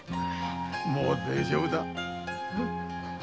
もう大丈夫だ。